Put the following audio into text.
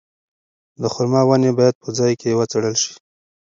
د خورما ونې باید په ځای کې وڅېړل شي.